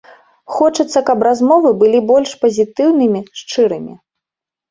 Хочацца, каб размовы былі больш пазітыўнымі, шчырымі.